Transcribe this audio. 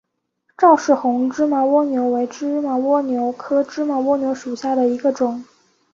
赵氏红芝麻蜗牛为芝麻蜗牛科芝麻蜗牛属下的一个种。